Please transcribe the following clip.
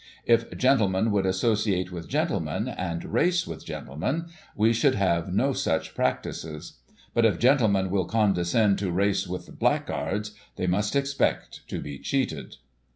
If gentlemen would associate with gentlemen, and race with gentlemen, we should have no such practices. But, if gentlemen will condescend to race with blackguards, they must expect to be cheated."